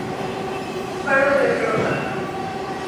Faro de Bell Rock